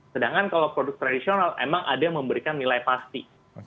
sedangkan kalau produk tradisional emang ada yang memberikan nilai pasti